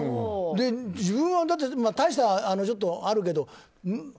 自分は大したちょっとあるけど。